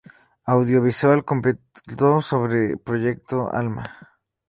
Audiovisual completo sobre el "Proyecto Alma".